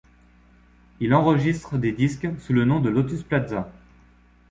Il enregistre des disques sous le nom de Lotus Plaza.